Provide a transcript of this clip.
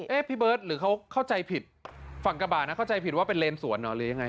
พี่เบิร์ตหรือเขาเข้าใจผิดฝั่งกระบาดนะเข้าใจผิดว่าเป็นเลนสวนเหรอหรือยังไง